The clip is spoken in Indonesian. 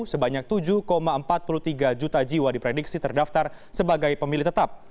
sebanyak tujuh empat puluh tiga juta jiwa diprediksi terdaftar sebagai pemilih tetap